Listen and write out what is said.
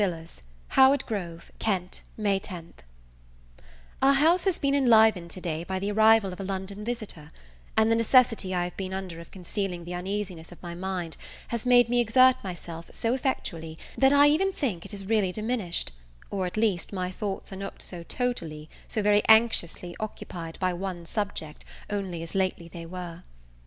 VILLARS Howard Grove, Kent, May 10. OUR house has been enlivened to day by the arrival of a London visitor; and the necessity I have been under of concealing the uneasiness of my mind, has made me exert myself so effectually, that I even think it is really diminished; or, at least, my thoughts are not so totally, so very anxiously, occupied by one subject only as they lately were.